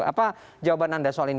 apa jawaban anda soal ini